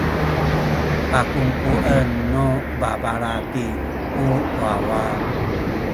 pakungkuen nu babalaki ku wawa.